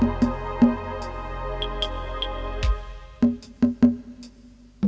emang zou kacalah